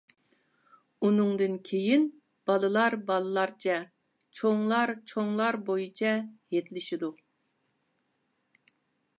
ئۇنىڭدىن كېيىن بالىلار بالىلار بويىچە، چوڭلار چوڭلار بويىچە ھېيتلىشىدۇ.